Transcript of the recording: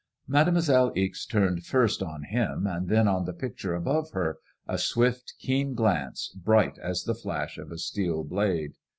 Mademoiselle Ixe turned first on him and then on the picture above her a swift keen glance, bright as the flash of a steel blade.